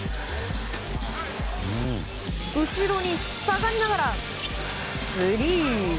後ろに下がりながらスリー。